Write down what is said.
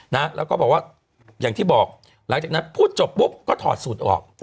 นะแล้วก็บอกว่าอย่างที่บอกหลังจากนั้นพูดจบปุ๊บก็ถอดสูตรออก